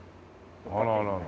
あららら